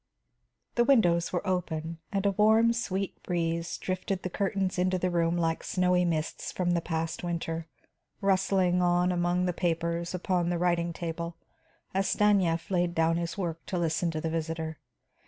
The windows were open and a warm, sweet breeze drifted the curtains into the room like snowy mists from the past winter, rustling on among the papers upon the writing table, as Stanief laid down his work to listen to the visitor.